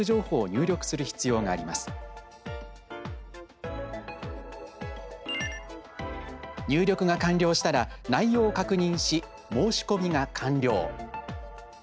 入力が完了したら内容を確認し申し込みが完了。